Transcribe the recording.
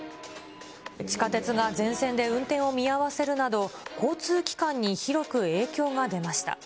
地下鉄が全線で運転を見合わせるなど、交通機関に広く影響が出ました。